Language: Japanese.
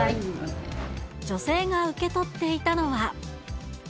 女性が受け取っていたのは。